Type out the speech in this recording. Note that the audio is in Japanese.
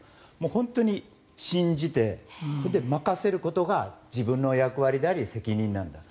本当に信じてそれで任せることが自分の役割であり責任なんだと。